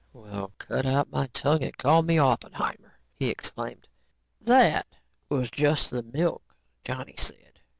"Well, cut out my tongue and call me Oppenheimer," he exclaimed. "That was just the milk," Johnny said.